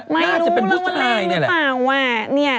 ไม่รู้ว่าเรงหรือเปล่า